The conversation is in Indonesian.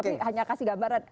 tapi hanya kasih gambaran